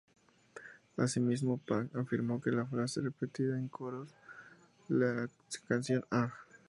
Asimismo, Pang afirmó que la frase repetida en los coros de la canción, "Ah!